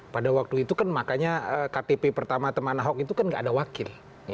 pada waktu itu kan makanya ktp pertama teman ahok itu kan gak ada wakil